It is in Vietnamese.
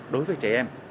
đối với trẻ em